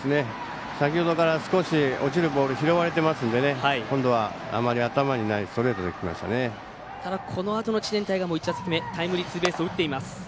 先ほどから少し落ちるボール拾われてるので今度は、あまり頭にないこのあとの知念大河も１打席目タイムリーツーベースを打っています。